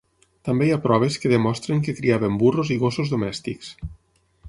També hi ha proves que demostren que criaven burros i gossos domèstics.